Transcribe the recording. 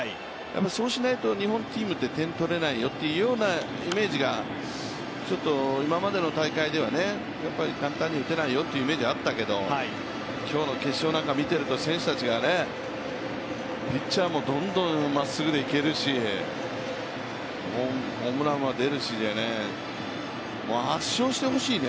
そうしないと、日本チームは点取れないよというイメージが、今までの大会では簡単には打てないよっていうイメージがあったけども今日の決勝なんか見ていると、選手たちがピッチャーもどんどんまっすぐでいけるし、もうホームランは出るしでね圧勝してほしいね